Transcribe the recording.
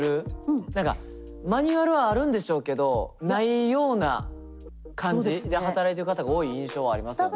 何かマニュアルはあるんでしょうけどないような感じで働いてる方が多い印象はありますよね。